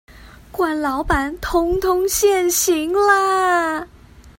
慣老闆通通現形啦